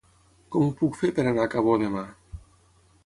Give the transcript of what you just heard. Com ho puc fer per anar a Cabó demà?